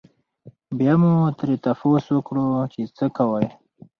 بيا مو ترې تپوس وکړو چې څۀ کوئ؟